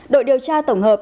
đội điều tra tổng hợp